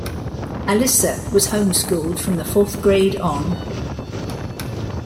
Alyssa was homeschooled from the fourth grade on.